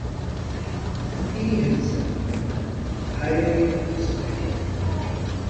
He himself remained highly respected.